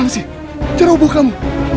namam sih jaroboh kamu